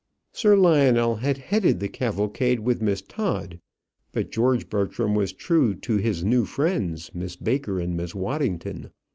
Sir Lionel had headed the cavalcade with Miss Todd, but George Bertram was true to his new friends, Miss Baker and Miss Waddington.